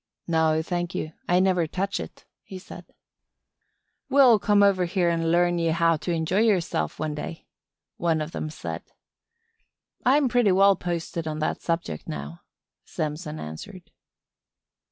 "No, thank you. I never touch it," he said. "We'll come over here an' learn ye how to enjoy yerself some day," one of them said. "I'm pretty well posted on that subject now," Samson answered.